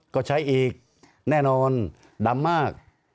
ก็ใช้อีกแน่นอนดำมาก